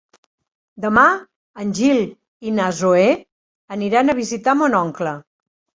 Demà en Gil i na Zoè aniran a visitar mon oncle.